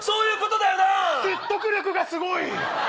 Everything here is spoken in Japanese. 説得力がすごい。